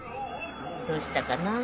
どうしたかな？